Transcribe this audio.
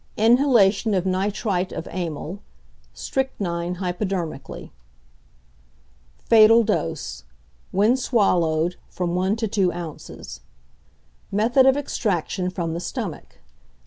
Inhalation of nitrite of amyl; strychnine hypodermically. Fatal Dose. When swallowed, from 1 to 2 ounces. _Method of Extraction from the Stomach.